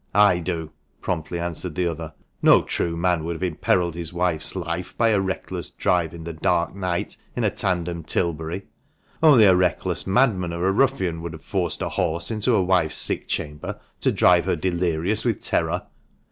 "I do!" promptly answered the other. "No true man would have imperilled his wife's life by a reckless drive in the dark night in a tandem Tilbury ! Only a reckless madman or a ruffian would have forced a horse into a wife's sick chamber, to drive her delirious with terror!"